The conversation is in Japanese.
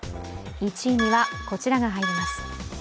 １位にはこちらが入ります。